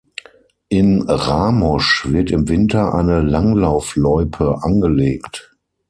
In Ramosch wird im Winter eine Langlaufloipe angelegt.